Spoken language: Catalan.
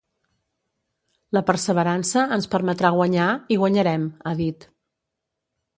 La perseverança ens permetrà guanyar i guanyarem, ha dit.